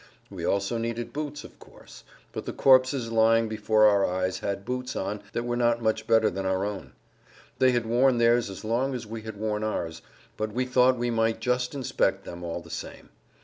We also needed boots, of course; but the corpses lying before our eyes had boots on that were not much better than our own. They had worn theirs as long as we had worn ours, but we thought we might just inspect them all the same.